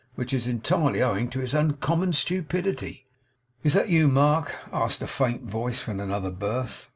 Which is entirely owing to its uncommon stupidity.' 'Is that you, Mark?' asked a faint voice from another berth.